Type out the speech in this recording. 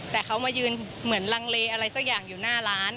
แต่เขามายืนเหมือนลังเลอะไรสักอย่างอยู่หน้าร้าน